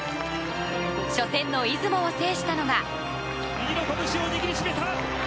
初戦の出雲を制したのが。